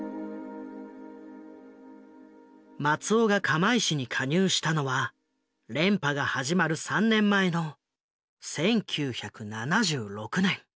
松尾が釜石に加入したのは連覇が始まる３年前の１９７６年。